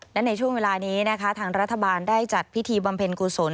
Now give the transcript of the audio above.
และในช่วงเวลานี้นะคะทางรัฐบาลได้จัดพิธีบำเพ็ญกุศล